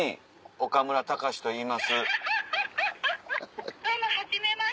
岡村隆史といいます。